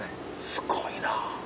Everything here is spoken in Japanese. すごいな。